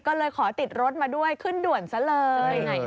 ก็เลยขอติดรถมาด้วยขึ้นด่วนซะเลย